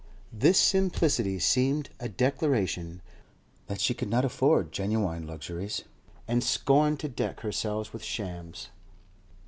This simplicity seemed a declaration that she could not afford genuine luxuries and scorned to deck herself with shams.